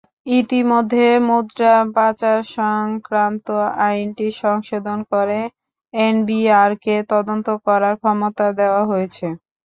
ইতিমধ্যে মুদ্রা পাচারসংক্রান্ত আইনটি সংশোধন করে এনবিআরকে তদন্ত করার ক্ষমতা দেওয়া হয়েছে।